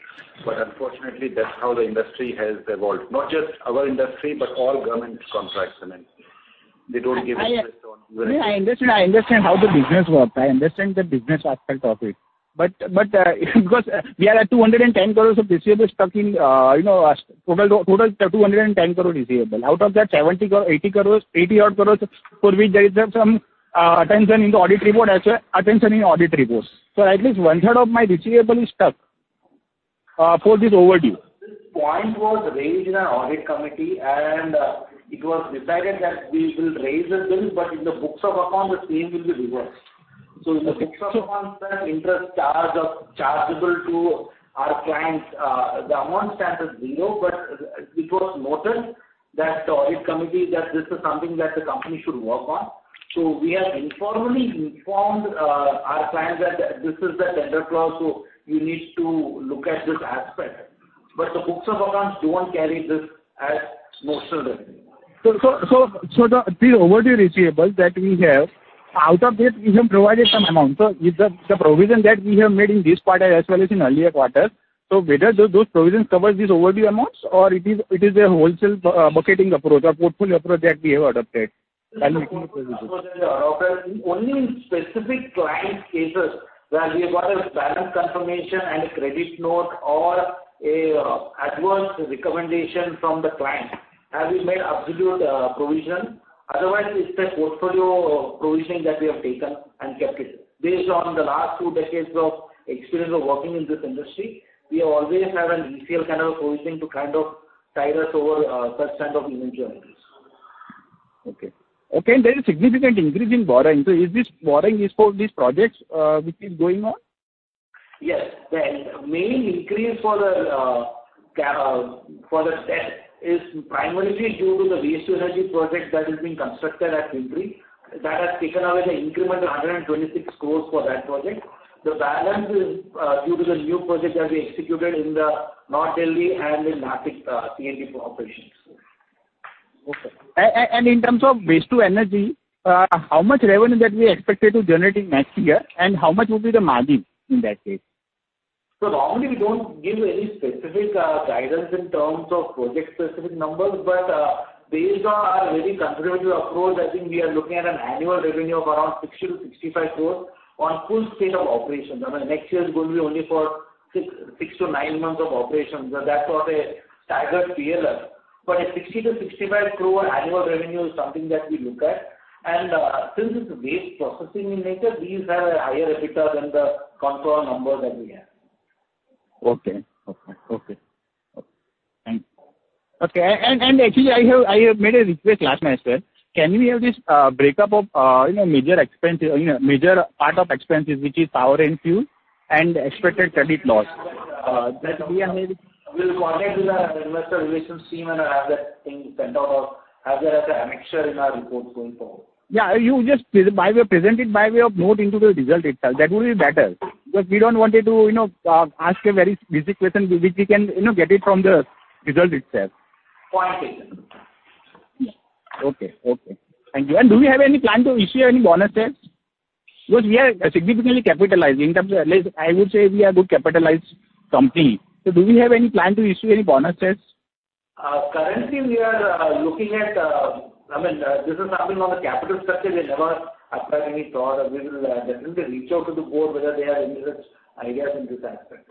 Unfortunately, that's how the industry has evolved. Not just our industry, but all government contracts, I mean, they don't give interest. I understand how the business works. I understand the business aspect of it. Because we are at 210 crore of receivable stuck in, you know, total 210 crore receivable. Out of that, 70-80 crore, 80 odd crore, for which there is some attention in the audit report as well, attention in audit reports. At least 1/3 of my receivable is stuck for this overdue. This point was raised in our audit committee, and it was decided that we will raise the bill, but in the books of account, the same will be reversed. In the books of accounts, that interest charge of chargeable to our clients, the amount stands at zero. It was noted that the audit committee, that this is something that the company should work on. We have informally informed our clients that this is the tender clause, so you need to look at this aspect. The books of accounts don't carry this as noted. These overdue receivables that we have, out of this, we have provided some amount. The provision that we have made in this quarter as well as in earlier quarters, whether those provisions cover these overdue amounts or it is a wholesale, bucketing approach or portfolio approach that we have adopted? Only in specific client cases where we have got a balance confirmation and a credit note or a adverse recommendation from the client, have we made absolute provision. Otherwise, it's a portfolio provision that we have taken and kept it. Based on the last two decades of experience of working in this industry, we always have an easier kind of provision to kind of tide us over such kind of eventualities. Okay. Okay. There is significant increase in borrowing. Is this borrowing is for these projects, which is going on? Yes. Well, main increase for the for the debt is primarily due to the waste to energy project that is being constructed at Pimpri. That has taken away the incremental 126 crores for that project. The balance is due to the new project that we executed in the North Delhi and in Nashik, CHP operations. Okay. In terms of waste to energy, how much revenue that we expected to generate in next year, and how much would be the margin in that case? Normally, we don't give any specific guidance in terms of project-specific numbers, but based on our very conservative approach, I think we are looking at an annual revenue of around 60 crore-65 crore on full scale of operations. I mean, next year is going to be only for six-nine months of operations. That's what a staggered year is. An 60 crore-65 crore annual revenue is something that we look at. Since it's waste processing in nature, these have a higher EBITDA than the control numbers that we have. Okay. Okay, and actually, I have made a request last night, sir. Can we have this breakup of, you know, major expenses, you know, major part of expenses, which is power and fuel, and expected credit loss? We'll coordinate with our investor relations team and have that thing sent out or have that as an annexure in our reports going forward. Yeah, you just by way, present it by way of note into the result itself. That would be better, because we don't want you to, you know, ask a very basic question, which we can, you know, get it from the result itself. Point taken. Okay, okay. Thank you. Do we have any plan to issue any bonus shares? Because we are significantly capitalized in terms of... I would say we are good capitalized company. Do we have any plan to issue any bonus shares? Currently, we are looking at, I mean, this is something on the capital structure. We never apply any thought. We will definitely reach out to the board whether they have any such ideas in this aspect.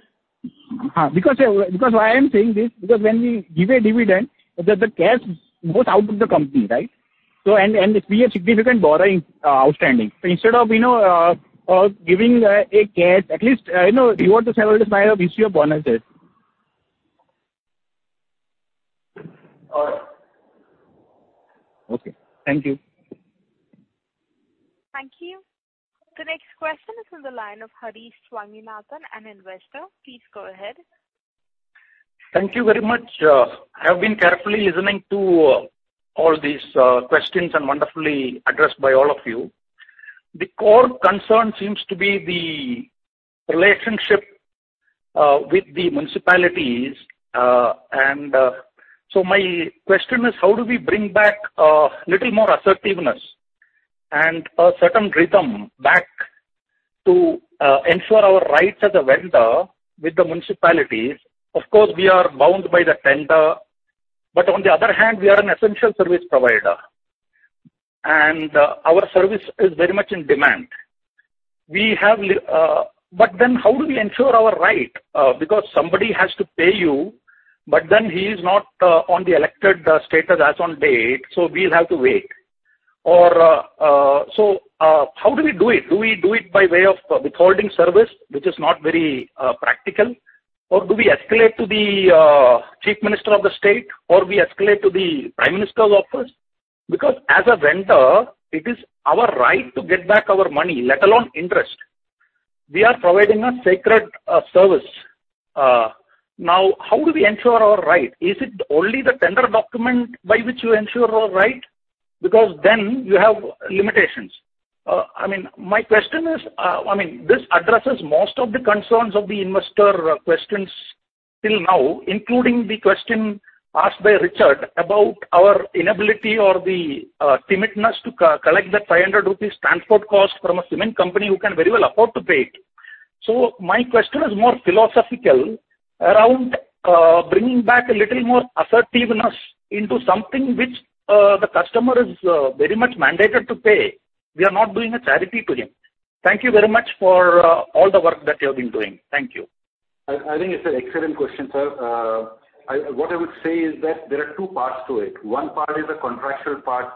Because why I am saying this, because when we give a dividend, the cash goes out of the company, right? We have significant borrowing outstanding. Instead of, you know, giving a cash, at least, you know, reward the shareholders by way of issue of bonus shares. All right. Okay. Thank you. Thank you. The next question is on the line of Harish Swaminathan, an investor. Please go ahead. Thank you very much. I've been carefully listening to all these questions and wonderfully addressed by all of you. The core concern seems to be the relationship with the municipalities. My question is: how do we bring back little more assertiveness and a certain rhythm back to ensure our rights as a vendor with the municipalities? Of course, we are bound by the tender, but on the other hand, we are an essential service provider, and our service is very much in demand. How do we ensure our right? Because somebody has to pay you, but then he is not on the elected status as on date, so we'll have to wait. How do we do it? Do we do it by way of withholding service, which is not very practical, or do we escalate to the Chief Minister of the state, or we escalate to the Prime Minister's office? As a vendor, it is our right to get back our money, let alone interest. We are providing a sacred service. Now, how do we ensure our right? Is it only the tender document by which you ensure our right? Then you have limitations. I mean, my question is, I mean, this addresses most of the concerns of the investor questions till now, including the question asked by Richard about our inability or the timidity to co-collect that 500 rupees transport cost from a cement company who can very well afford to pay it. My question is more philosophical around, bringing back a little more assertiveness into something which, the customer is, very much mandated to pay. We are not doing a charity to him. Thank you very much for, all the work that you have been doing. Thank you. I think it's an excellent question, sir. What I would say is that there are two parts to it. One part is the contractual part,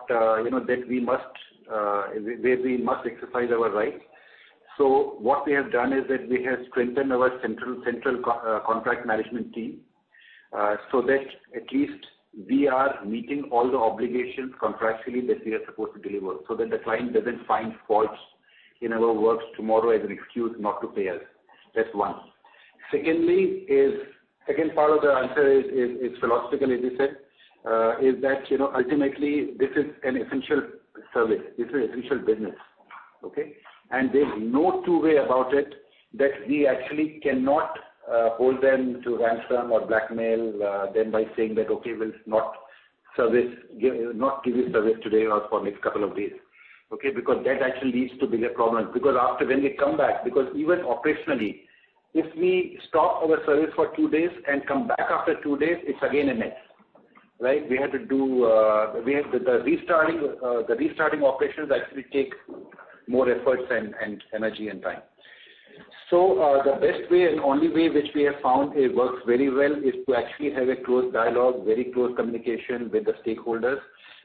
you know, that we must, where we must exercise our rights. What we have done is that we have strengthened our central contract management team, so that at least we are meeting all the obligations contractually that we are supposed to deliver, so that the client doesn't find faults in our works tomorrow as an excuse not to pay us. That's one. Secondly, second part of the answer is philosophical, as you said, is that, you know, ultimately, this is an essential service. This is essential business, okay? There's no two way about it, that we actually cannot hold them to ransom or blackmail them by saying that: "Okay, we'll not service, not give you service today or for next couple of days." Okay, because that actually leads to bigger problems, because after when we come back, because even operationally, if we stop our service for two days and come back after two days, it's again a mess, right? We have to do, we have the restarting operations actually take more efforts and energy and time. The best way and only way which we have found it works very well is to actually have a close dialogue, very close communication with the stakeholders.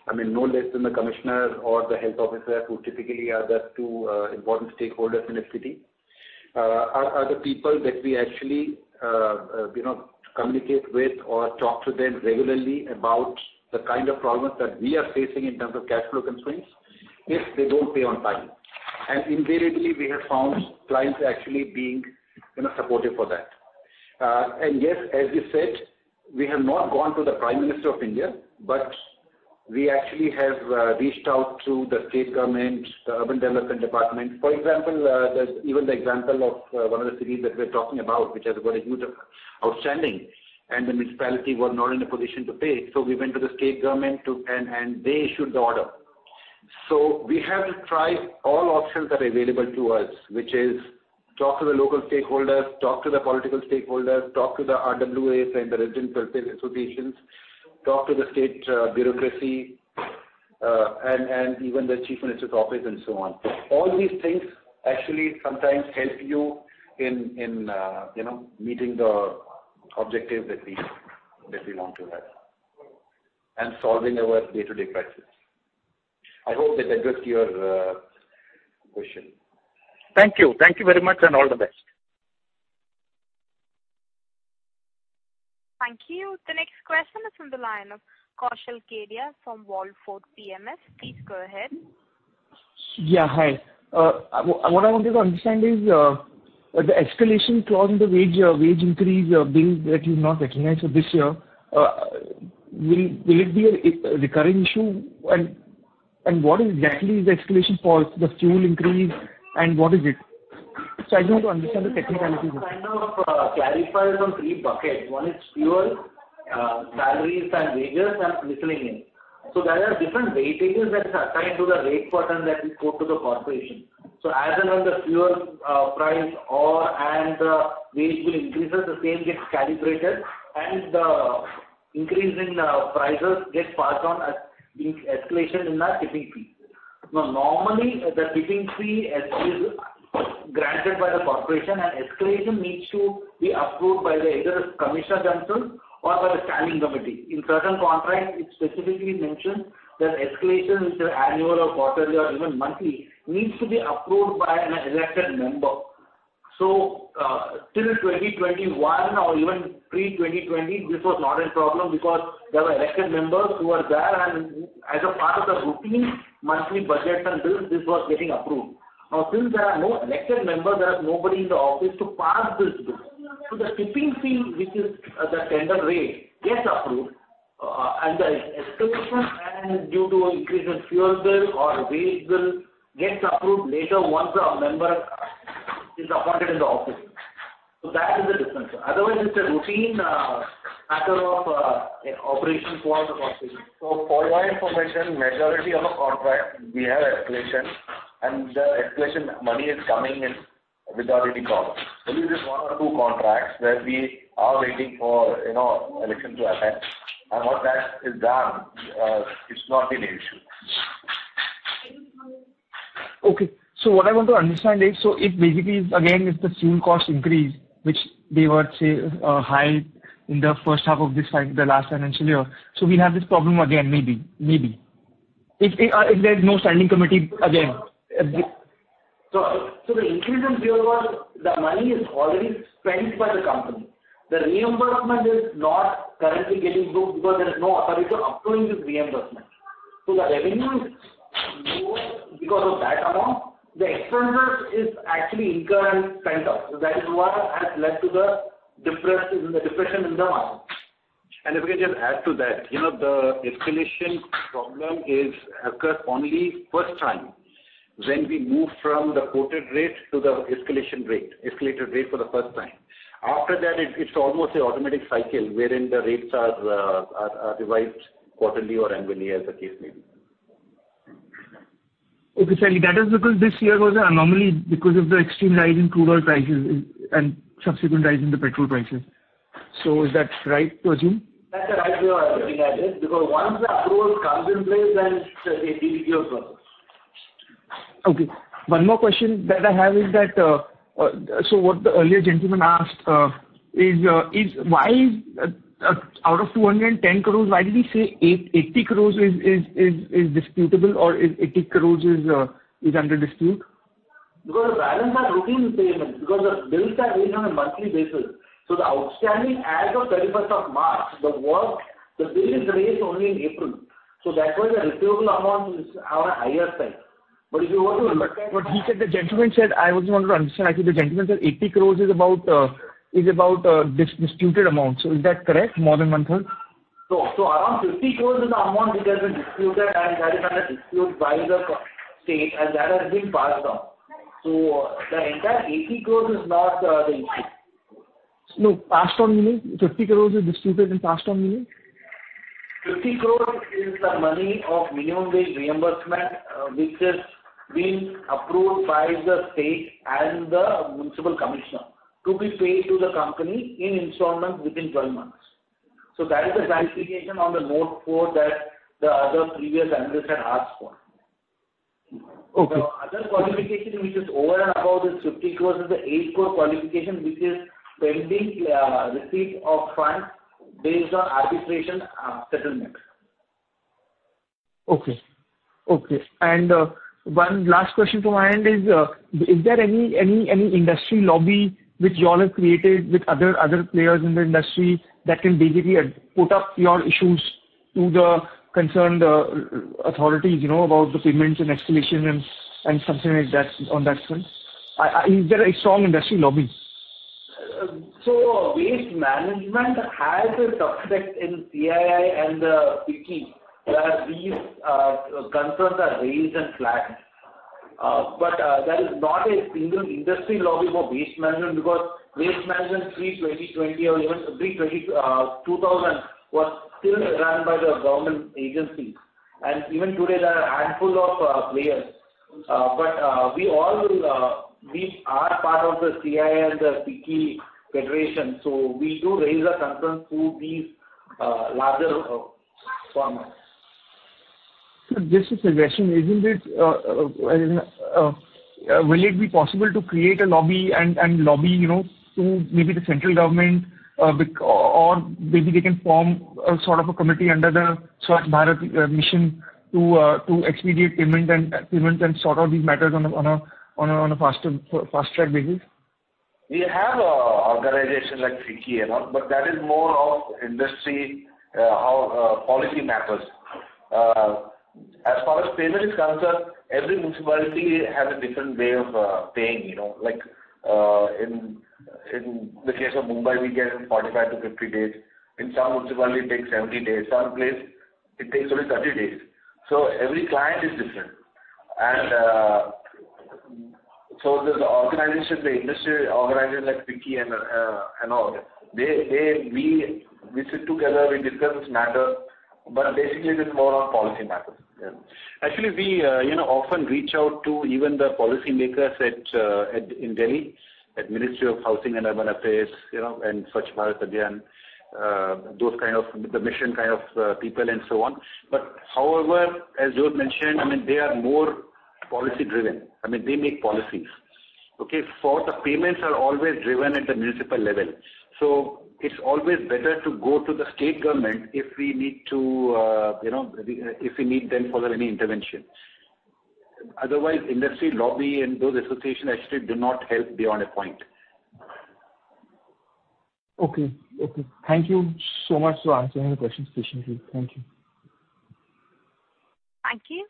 I mean, no less than the commissioner or the health officer, who typically are the two important stakeholders in a city, are the people that we actually, you know, communicate with or talk to them regularly about the kind of problems that we are facing in terms of cash flow constraints, if they don't pay on time. Invariably, we have found clients actually being, you know, supportive for that. Yes, as you said, we have not gone to the Prime Minister of India, but we actually have reached out to the state government, the urban development department. For example, there's even the example of one of the cities that we're talking about, which has got a huge outstanding, and the municipality was not in a position to pay. We went to the state government to... They issued the order. We have to try all options that are available to us, which is talk to the local stakeholders, talk to the political stakeholders, talk to the RWAs and the resident welfare associations, talk to the state bureaucracy and even the Chief Minister's office and so on. All these things actually sometimes help you in, you know, meeting the objective that we want to have and solving our day-to-day crises. I hope that addressed your question. Thank you. Thank you very much, and all the best. Thank you. The next question is from the line of Kaushal Kedia from Wallfort PMS. Please go ahead. Yeah, hi. What I wanted to understand is, the escalation clause in the wage increase, bills that you've not recognized for this year, will it be a recurring issue? What is exactly the escalation for the fuel increase, and what is it? I want to understand the technicalities. Kind of clarifies on three buckets. One is pure, salaries and wages and miscellaneous. There are different weightages that are assigned to the rate % that we quote to the corporation. As and when the fuel price or and wage bill increases, the same gets calibrated, and the increase in prices get passed on as escalation in our tipping fee. Now, normally, the tipping fee, as is granted by the corporation, and escalation needs to be approved by the, either the Commissioner General or by the standing committee. In certain contracts, it specifically mentions that escalation, which is annual or quarterly or even monthly, needs to be approved by an elected member. Till 2021 or even pre-2020, this was not a problem because there were elected members who were there, and as a part of the routine monthly budget and bills, this was getting approved. Since there are no elected members, there is nobody in the office to pass this bill. The tipping fee, which is the standard rate, gets approved.... The escalation and due to increase in fuel bill or waste bill gets approved later once our member is appointed in the office. That is the difference. Otherwise, it's a routine, matter of, operation for the company. For your information, majority of the contract, we have escalation, and the escalation money is coming in without any problem. Maybe just one or two contracts where we are waiting for, you know, election to attend, and once that is done, it's not been an issue. Okay. what I want to understand is, so it basically, again, if the fuel costs increase, which they were, say, high in the first half of this, like, the last financial year. We have this problem again, maybe. If, if there's no standing committee again. The increase in fuel cost, the money is already spent by the company. The reimbursement is not currently getting booked because there is no authority to approve this reimbursement. The revenue is low because of that amount. The expenditure is actually incurred and spent up. That is what has led to the depression in the margin. If we can just add to that, you know, the escalation problem is occurred only first time, when we moved from the quoted rate to the escalated rate for the first time. After that, it's almost an automatic cycle, wherein the rates are revised quarterly or annually, as the case may be. Okay, that is because this year was an anomaly because of the extreme rise in crude oil prices and subsequent rise in the petrol prices. Is that right to assume? That's the right way of looking at it, because once the approval comes in place, then it is your problem. One more question that I have is that, so what the earlier gentleman asked, is why, out of 210 crores, why did he say 80 crores is disputable or is 80 crores is under dispute? The balance are routine payments, because the bills are raised on a monthly basis. The outstanding as of March 31st, the work, the bill is raised only in April. That's why the receivable amount is on a higher side. If you want to understand. He said, the gentleman said, I also want to understand, I think the gentleman said 80 crores is about disputed amount. Is that correct, more than one third? Around 50 crores is the amount which has been disputed, and that is under dispute by the state, and that has been passed on. The entire 80 crores is not the issue. No, passed on means, 50 crores is disputed and passed on, you mean? 50 crores is the money of minimum wage reimbursement, which is being approved by the state and the municipal commissioner, to be paid to the company in installments within 12 months. That is the clarification on the note four that the other previous analyst had asked for. Okay. The other qualification, which is over and above the 50 crores, is the 8 crore qualification, which is pending receipt of funds based on arbitration settlements. Okay. Okay, one last question from my end is there any industry lobby which you all have created with other players in the industry, that can basically put up your issues to the concerned authorities, you know, about the payments and escalation and something like that, on that front? Is there a strong industry lobby? Waste management has a subject in CII and the FICCI, where these, concerns are raised and flagged. There is not a single industry lobby for waste management, because waste management pre-2020 or even pre-2000, was still run by the government agencies. Even today, there are a handful of, players. We all, we are part of the CII and the FICCI Federation, so we do raise our concerns to these, larger, firms. Just a suggestion, isn't it, will it be possible to create a lobby and lobby, you know, to maybe the central government, or maybe they can form a sort of a committee under the Swachh Bharat Mission, to expedite payments and sort out these matters on a faster, fast track basis? We have organizations like FICCI and all, that is more of industry, how policy matters. As far as payment is concerned, every municipality has a different way of paying, you know, like in the case of Mumbai, we get 45-50 days. In some municipality, it takes 70 days. Some place, it takes only 30 days. Every client is different. The organization, the industry organization, like FICCI and all, they we sit together, we discuss this matter, basically this is more on policy matters. Actually, we, you know, often reach out to even the policymakers in Delhi, at Ministry of Housing and Urban Affairs, you know, and Swachh Bharat Abhiyan, those kind of, the mission kind of, people and so on. However, as Joe mentioned, I mean, they are more policy-driven. I mean, they make policies. Okay, for the payments are always driven at the municipal level. It's always better to go to the state government if we need to, you know, if we need them for any intervention. Otherwise, industry lobby and those associations actually do not help beyond a point. Okay, thank you so much for answering my questions patiently. Thank you. Thank you.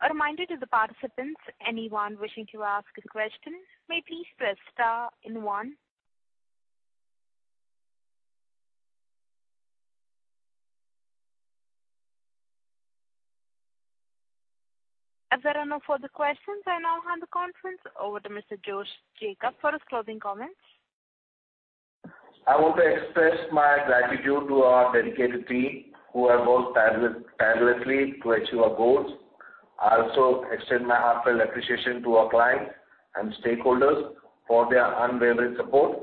A reminder to the participants, anyone wishing to ask a question, may please press star and one. As there are no further questions, I now hand the conference over to Mr. Jose Jacob for his closing comments. I want to express my gratitude to our dedicated team, who have worked tirelessly to achieve our goals. I also extend my heartfelt appreciation to our clients and stakeholders for their unwavering support.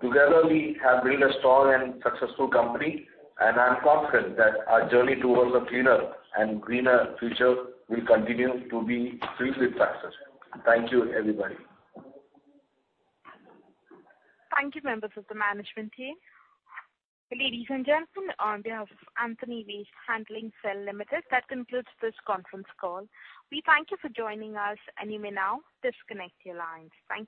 Together, we have built a strong and successful company, and I am confident that our journey towards a cleaner and greener future will continue to be filled with success. Thank you, everybody. Thank you, members of the management team. Ladies and gentlemen, on behalf of Antony Waste Handling Cell Limited, that concludes this conference call. We thank you for joining us, and you may now disconnect your lines. Thank you.